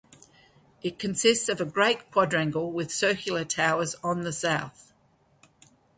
It consists of a great quadrangle with circular towers on the south.